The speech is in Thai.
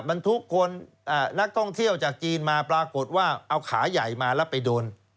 บรรทุกคนนักท่องเที่ยวจากจีนมาปรากฏว่าเอาขาใหญ่มาแล้วไปโดน